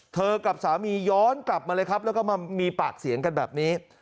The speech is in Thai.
กับสามีย้อนกลับมาเลยครับแล้วก็มามีปากเสียงกันแบบนี้